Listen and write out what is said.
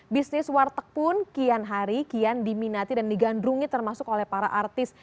bisnis warteg pun kian hari kian diminati dan digandrungi termasuk oleh para artis